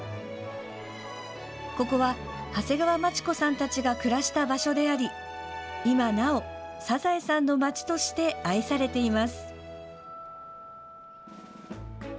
ここは、長谷川町子さんたちが暮らした場所であり今なお「サザエさん」の街として愛されています。